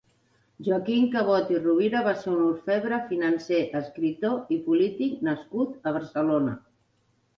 Joaquim Cabot i Rovira va ser un orfebre, financer, escriptor i polític nascut a Barcelona.